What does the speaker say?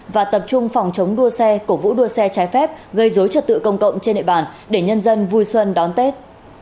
và tập trung phòng chống đua xe cổ vũ đua xe trái phép gây dối trật tự công cộng trên địa bàn để nhân dân vui xuân đón tết